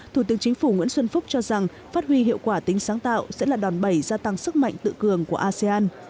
thủ tướng chính phủ nguyễn xuân phúc cho rằng phát huy hiệu quả tính sáng tạo sẽ là đòn bẩy gia tăng sức mạnh tự cường của asean